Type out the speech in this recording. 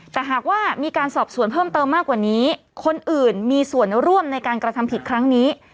แต่หากว่ามีการสอบสวนเพิ่มเติมมากกว่านี้คนอื่นมีส่วนร่วมในการกระทำผิดครั้งนี้